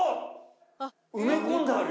埋め込んであるよ。